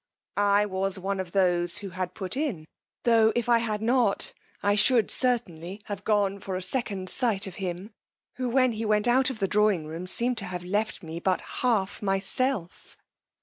I was one of those who had put in, tho' if I had not, I should certainly, have gone for a second sight of him, who when he went out of the drawing room seemed to have left me but half myself.